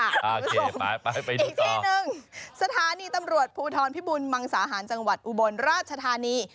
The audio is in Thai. โอเคไปไปอีกที่หนึ่งสถานีตำรวจภูทรพิบุญมังสาหารจังหวัดอุบลราชธานี